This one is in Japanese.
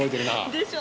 でしょ？